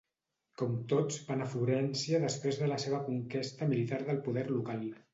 Com tots, van a Florència després de la seva conquesta militar del poder local.